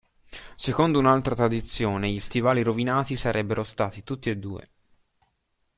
Secondo un'altra tradizione, gli stivali rovinati sarebbero stati tutti e due.